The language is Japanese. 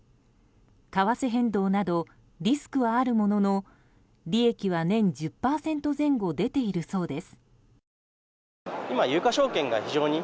為替変動などリスクはあるものの利益は年１０％前後出ているそうです。